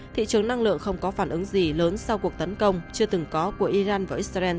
thị trường năng lượng không có phản ứng gì lớn sau cuộc tấn công chưa từng có của iran và israel